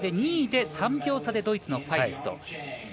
２位で、３秒差でドイツのファイスト。